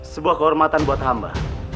sebuah kehormatan buat hamba